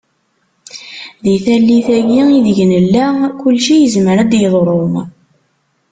Di tallit-agi ideg nella kullci yezmer a d-yeḍru.